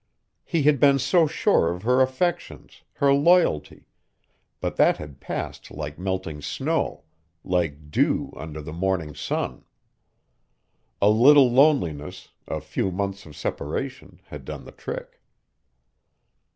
He had been so sure of her affections, her loyalty, but that had passed like melting snow, like dew under the morning sun. A little loneliness, a few months of separation, had done the trick.